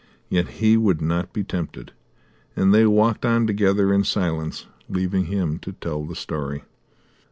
Yet he would not be tempted, and they walked on together in silence, leaving him to tell the story.